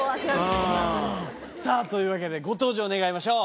さぁというわけでご登場願いましょう。